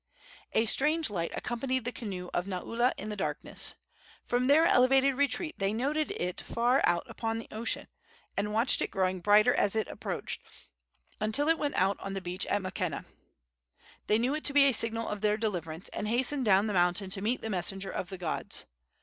A strange light accompanied the canoe of Naula in the darkness. From their elevated retreat they noted it far out upon the ocean, and watched it growing brighter as it approached, until it went out on the beach at Makena. They knew it to be the signal of their deliverance, and hastened down the mountain to meet the messenger of the gods.